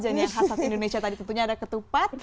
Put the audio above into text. yang khas indonesia tadi tentunya ada ketupat